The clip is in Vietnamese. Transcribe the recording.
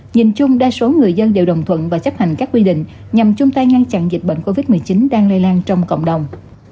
nhìn chung đa số người dân đều đồng thuận và chấp hành các quy định nhằm chung tay ngăn chặn dịch bệnh covid một mươi chín đang lây lan trong cộng đồng